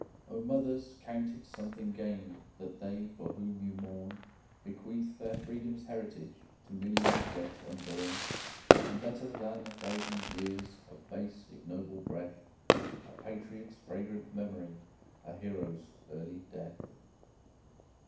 O mothers! count it something gained That they, for whom you mourn, Bequeath fair Freedom's heritage To millions yet unborn; And better than a thousand years Of base, ignoble breath, A patriot's fragrant memory, A hero's early death!